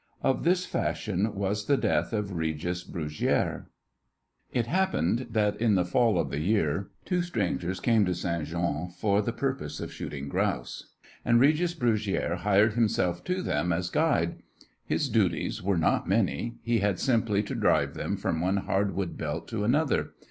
Of this fashion was the death of Regis Brugiere. It happened that in the fall of the year two strangers came to Ste. Jeanne for the purpose of shooting grouse, and Regis Brugiere hired himself to them as guide. His duties were not many. He had simply to drive them from one hardwood belt to another.